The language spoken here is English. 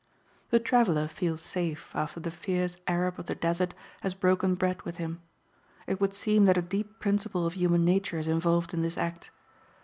The traveler feels safe after the fierce Arab of the desert has broken bread with him. It would seem that a deep principle of human nature is involved in this act.